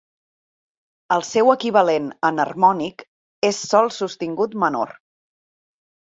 El seu equivalent enharmònic és sol sostingut menor.